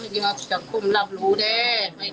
อยากสังคมรับรู้ด้วย